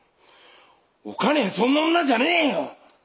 おかねはそんな女じゃねえよ！